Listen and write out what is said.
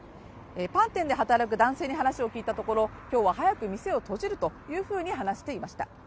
パン店で働く男性に話を聞いたところ、今日は店を早く閉じると話していました。